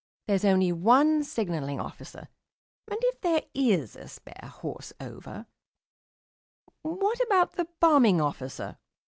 There's only one Signalling Officer, and if there is a spare horse over " "What about the Bombing Officer?"